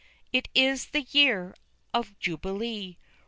_It is the YEAR of JUBILEE!